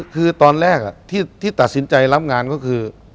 คือตอนแรกที่ตัดสินใจรับงานก็คือ